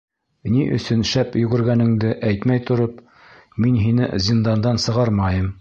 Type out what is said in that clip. Ни өсөн шәп йүгергәнеңде әйтмәй тороп, мин һине зиндандан сығармайым.